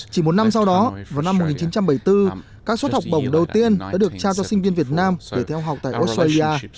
chỉ một năm sau đó vào năm một nghìn chín trăm bảy mươi bốn các suất học bổng đầu tiên đã được trao cho sinh viên việt nam để theo học tại australia